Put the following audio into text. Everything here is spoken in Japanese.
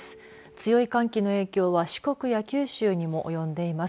強い寒気の影響は四国や九州にもおよんでいます。